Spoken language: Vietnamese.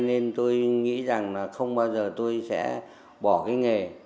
nên tôi nghĩ rằng là không bao giờ tôi sẽ bỏ cái nghề